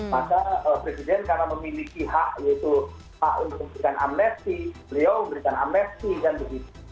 maka presiden karena memiliki hak yaitu hak untuk memberikan amnesti beliau memberikan amnesti kan begitu